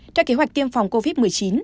cho kế hoạch tiêm phòng covid một mươi chín